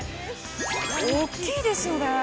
大きいですよね。